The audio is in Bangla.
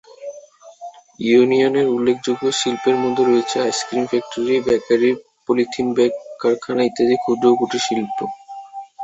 ইউনিয়নের উল্লেখযোগ্য শিল্পের মধ্যে রয়েছে ice cream factory, bakery, polythene bag কারখানা ইত্যাদি ক্ষুদ্র ও কুটির শিল্প।